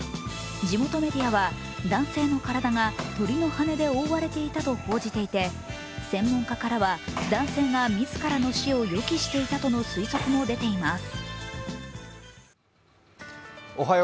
地元メディアは男性の体が鳥の羽根で覆われていたと報じていて専門家からは男性が自らの死を予期していたとの推測も出ています。